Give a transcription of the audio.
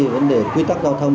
vấn đề quy tắc giao thông